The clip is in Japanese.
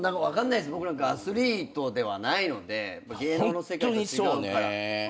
僕なんかアスリートではないので芸能の世界とは違うから。